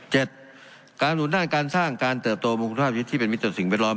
การหนุนด้านการสร้างการเติบโตมคุณภาพชีวิตที่เป็นมิตรต่อสิ่งแวดล้อม